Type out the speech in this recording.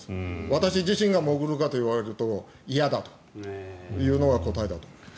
私自身が潜るかといわれると嫌だというのが答えだと思います。